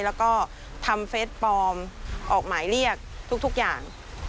แล้วก็ทำเฟสปลอมออกหมายเรียกทุกอย่าง